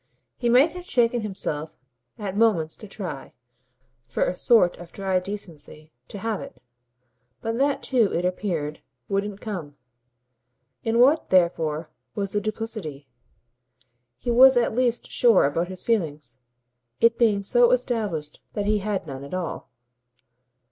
He might have shaken himself at moments to try, for a sort of dry decency, to have it; but that too, it appeared, wouldn't come. In what therefore was the duplicity? He was at least sure about his feelings it being so established that he had none at all.